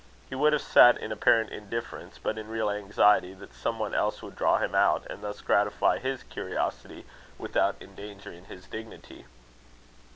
He would have sat in apparent indifference, but in real anxiety that some one else would draw him out, and thus gratify his curiosity without endangering his dignity.